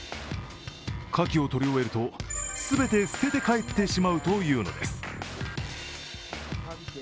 カキを取り終えると全て捨てて帰ってしまうというのです。